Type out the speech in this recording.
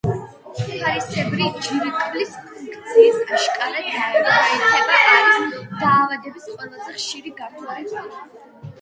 ფარისებრი ჯირკვლის ფუნქციის აშკარა დაქვეითება არის დაავადების ყველაზე ხშირი გართულება.